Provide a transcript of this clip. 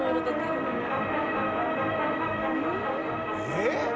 えっ？